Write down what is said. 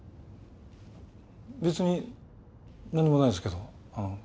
別になんにもないですけど。